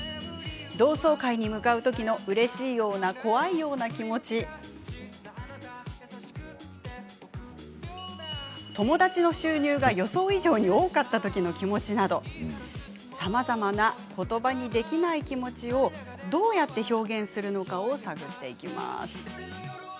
同窓会に向かうときのうれしいような怖いような気持ち友達の収入が予想以上に多かったときの気持ちなどさまざまなことばにできない気持ちをどう表現するか、探ります。